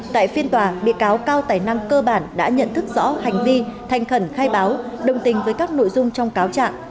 tại phiên tòa bị cáo cao tài năng cơ bản đã nhận thức rõ hành vi thành khẩn khai báo đồng tình với các nội dung trong cáo trạng